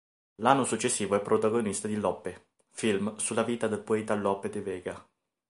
L'anno successivo è protagonista di "Lope", film sulla vita del poeta Lope de Vega.